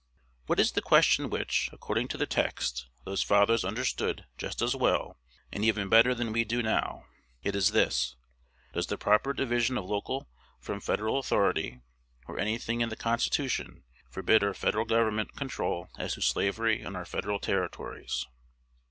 What is the question which, according to the text, those fathers understood just as well, and even better than we do now? It is this: Does the proper division of local from Federal authority, or any thing in the Constitution, forbid our Federal Government control as to slavery in our Federal Territories?